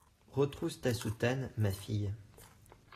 Retrousse ta soutane, ma fille.